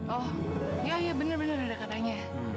oh ya ya bener bener ada katanya